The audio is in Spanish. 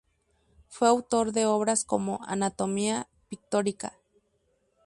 Fue autor de obras como "Anatomía pictórica.